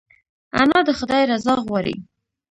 انا د خدای رضا غواړي